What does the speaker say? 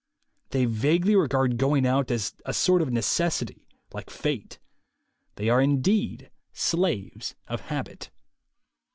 They vaguely regard going out as a sort of necessity, like Fate. They are indeed slaves of habit.